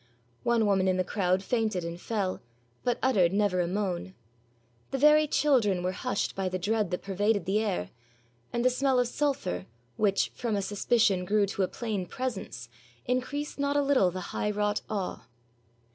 One woman in the crowd fainted and fell, but uttered never a moan. The very children were hushed by the dread that pervaded the air, and the smell of sulphur, which from a suspicion grew to a plain presence, increased not a little the high wrought awe.